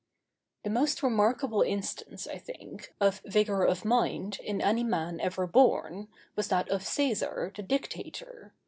The most remarkable instance, I think, of vigor of mind in any man ever born, was that of Cæsar, the Dictator.